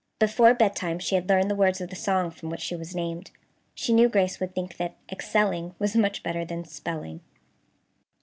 Before bedtime she had learned the words of the song from which she was named. She knew Grace would think that "excelling" was much better than "spelling."